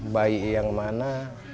baik yang mana